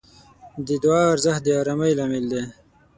د دعا ارزښت د آرامۍ لامل دی.